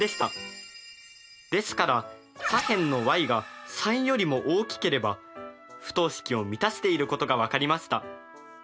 ですから左辺のｙが３よりも大きければ不等式を満たしていることが分かりました。